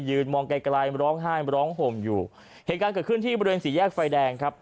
มองไกลไกลร้องไห้ร้องห่มอยู่เหตุการณ์เกิดขึ้นที่บริเวณสี่แยกไฟแดงครับ